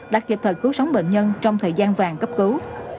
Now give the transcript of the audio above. đã kịp thời cứu sống bệnh nhân trong thời gian vàng cấp cứu